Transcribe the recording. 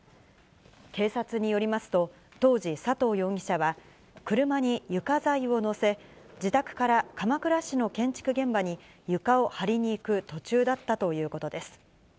警察によりますと、当時、佐藤容疑者は、車に床材を載せ、自宅から鎌倉市の建築現場に床を張りに行く途中だったということです。